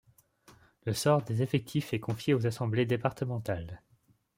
Le sort des effectifs est confié aux assemblées départementales.